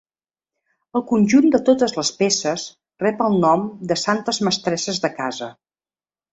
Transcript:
El conjunt de totes les peces rep el nom de Santes mestresses de casa.